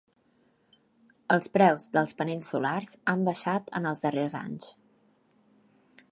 Els preus dels panells solars han baixat en els darrers anys.